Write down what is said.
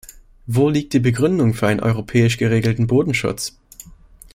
Wo liegt die Begründung für einen europäisch geregelten Bodenschutz?